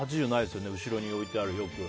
よく後ろに置いてある。